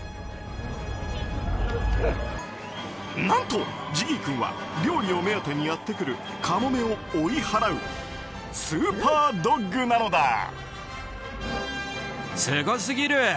何と、ジギー君は料理を目当てにやってくるカモメを追い払うスーパードッグなのだ。